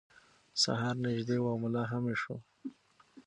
سهار نږدې و او ملا هم ویښ و.